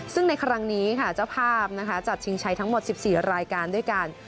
ซึ่งในครั้งนี้ค่ะเจ้าภาพจัดชิงชัยทั้งหมด๑๔รายการด้วยกัน